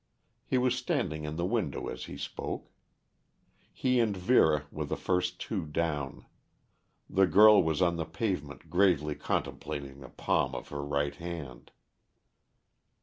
He was standing in the window as he spoke. He and Vera were the first two down. The girl was on the pavement gravely contemplating the palm of her right hand.